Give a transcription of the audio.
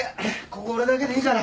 ここ俺だけでいいから。